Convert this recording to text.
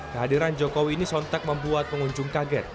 kehadiran jokowi ini sontak membuat pengunjung kaget